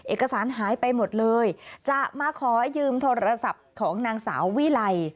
เอกสารหายไปหมดเลยจะมาขอยืมโทรศัพท์ของนางสาววิไล